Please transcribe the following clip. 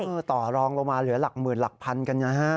ต่อรองลงมาเหลือหลักหมื่นหลักพันกันนะฮะ